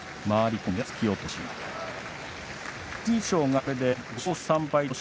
回り込んでの突き落とし。